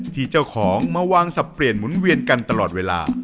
ที่เจ้าของมาวางสับเปลี่ยนหมุนเวียนกันตลอดเวลา